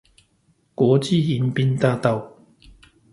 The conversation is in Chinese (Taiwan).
國際迎賓大道